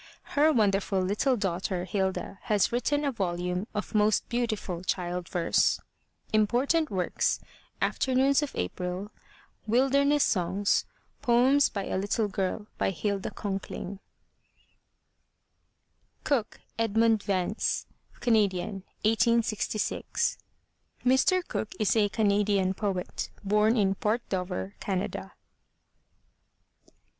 Her wonderful little daughter, Hilda, has written a volume of most beautiful child verse. Important Works: Afternoons of April Wilderness Songs Poems by a Little Girl, by Hilda Conkling 84 THE LATCH KEY COOKE, EDMUND VANCE (Canadian, 1866 ) Mr. Cooke is a Canadian poet, bom in Port Dover, Canada.